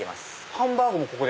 ハンバーグもここで？